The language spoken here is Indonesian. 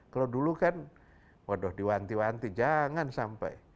kalau dulu kan waduh diwanti wanti jangan sampai